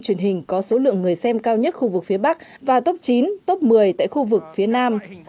truyền hình có số lượng người xem cao nhất khu vực phía bắc và tốc chín top một mươi tại khu vực phía nam